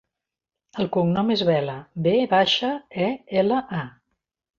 El cognom és Vela: ve baixa, e, ela, a.